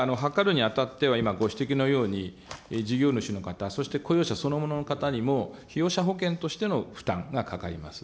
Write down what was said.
ただ図るにあたっては、今ご指摘のように、事業主の方、そして雇用者そのものの方にも、被用者保険としての負担がかかります。